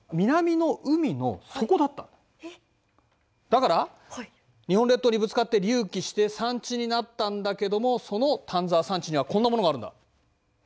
だから日本列島にぶつかって隆起して山地になったんだけどもその丹沢山地にはこんなものがあるんだ。